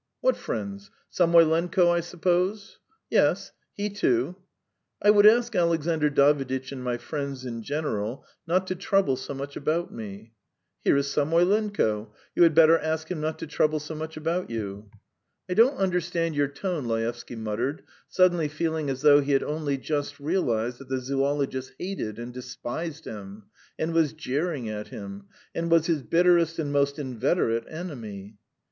"What friends? Samoylenko, I suppose?" "Yes, he too." "I would ask Alexandr Daviditch and my friends in general not to trouble so much about me." "Here is Samoylenko; you had better ask him not to trouble so much about you." "I don't understand your tone," Laevsky muttered, suddenly feeling as though he had only just realised that the zoologist hated and despised him, and was jeering at him, and was his bitterest and most inveterate enemy.